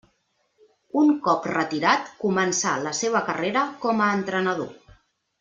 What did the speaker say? Un cop retirat començà la seva carrera com a entrenador.